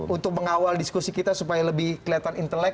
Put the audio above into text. untuk mengawal diskusi kita supaya lebih kelihatan intelek